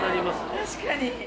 確かに。